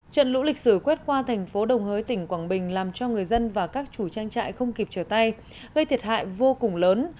trận lũ lịch sử quét qua thành phố đồng hới tỉnh quảng bình làm cho người dân và các chủ trang trại không kịp trở tay gây thiệt hại vô cùng lớn